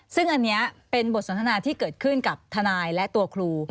ซึ่งอันนี้เป็นบทสนทนาที่เกิดขึ้นกับทนายและตัวครู